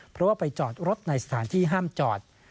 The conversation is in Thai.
เพราะว่าไปจอดรถในสถานที่ห้ามจอด